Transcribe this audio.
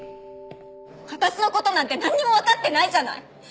私の事なんてなんにもわかってないじゃない。